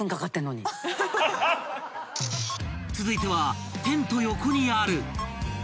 ［続いてはテント横にある］